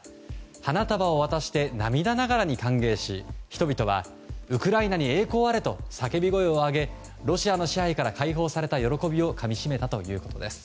花束を渡して涙ながらに歓迎し人々は、ウクライナに栄光あれと叫び声を上げロシアの支配から解放された喜びをかみしめたということです。